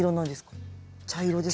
茶色です。